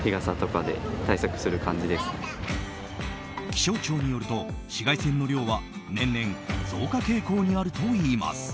気象庁によると、紫外線の量は年々、増加傾向にあるといいます。